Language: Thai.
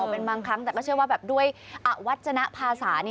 เป็นบางครั้งแต่ก็เชื่อว่าแบบด้วยอวัฒนภาษา